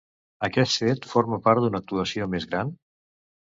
Aquest fet forma part d'una actuació més gran?